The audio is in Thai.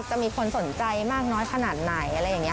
จะมีคนสนใจมากน้อยขนาดไหนอะไรอย่างนี้